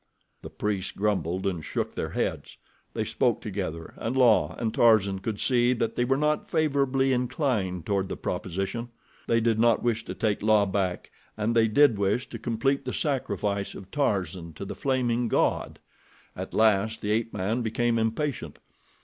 The priests grumbled and shook their heads. They spoke together and La and Tarzan could see that they were not favorably inclined toward the proposition. They did not wish to take La back and they did wish to complete the sacrifice of Tarzan to the Flaming God. At last the ape man became impatient.